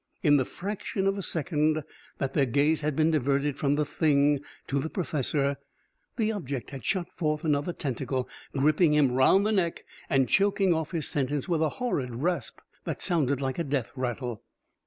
In the fraction of a second that their gaze had been diverted from the Thing to the professor, the object had shot forth another tentacle, gripping him round the neck and choking off his sentence with a horrid rasp that sounded like a death rattle.